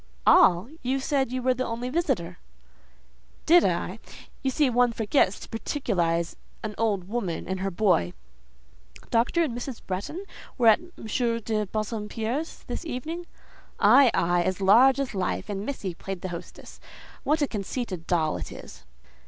"All! You said you were the only visitor." "Did I? You see one forgets to particularize an old woman and her boy." "Dr. and Mrs. Bretton were at M. de Bassompierre's this evening?" "Ay, ay! as large as life; and missy played the hostess. What a conceited doll it is!"